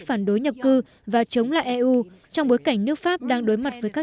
phản đối nhập cư và chống lại eu trong bối cảnh nước pháp đang đối mặt với các